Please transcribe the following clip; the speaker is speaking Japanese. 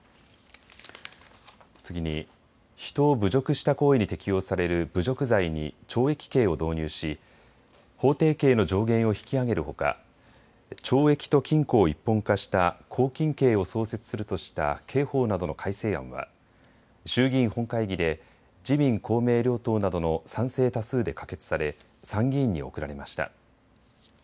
次に人を侮辱した行為に適用される侮辱罪に懲役刑を導入し法定刑の上限を引き上げるほか懲役と禁錮を一本化した拘禁刑を創設するとした刑法などの改正案は衆議院本会議で自民公明両党などの賛成多数で可決され参議院に送られました。